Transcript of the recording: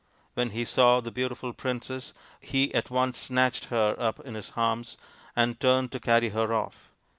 When he saw the beautiful princess he at once snatched her up in his arms and turned to carry her off.